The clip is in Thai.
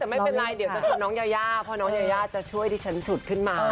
ไม่เป็นไรเดี๋ยวจะช่วยน้องยาวพอน้องยาวจะช่วยที่ชั้นสุดขึ้นมา